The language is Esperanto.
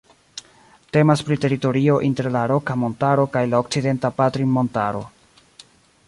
Temas pri teritorio inter la Roka Montaro kaj la Okcidenta Patrinmontaro.